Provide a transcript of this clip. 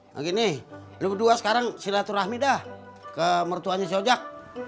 nah gini lu kedua sekarang silaturahmi dah ke mertuanya si ojak